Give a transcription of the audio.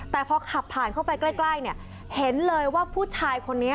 แต่พอขับผ่านเข้าไปใกล้เนี่ยเห็นเลยว่าผู้ชายคนนี้